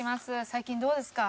最近どうですか？